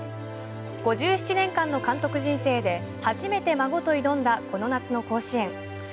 ５７年間の監督人生で初めて孫と挑んだこの夏の甲子園。